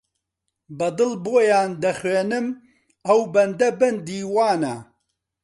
بە دڵ بۆیان دەخوێنم ئەو بەندە بەندی وانە